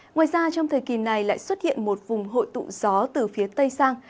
ngoài ra trong thời kỳ này lại xuất hiện một vùng hội tụ gió từ phía tây sang